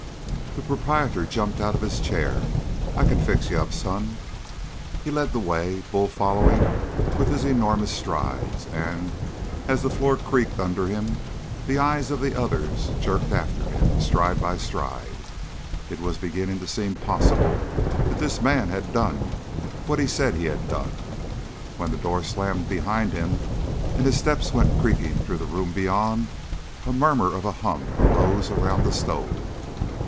The proprietor jumped out of his chair. "I can fix you up, son." He led the way, Bull following with his enormous strides, and, as the floor creaked under him, the eyes of the others jerked after him, stride by stride. It was beginning to seem possible that this man had done what he said he had done. When the door slammed behind him and his steps went creaking through the room beyond, a mutter of a hum arose around the stove.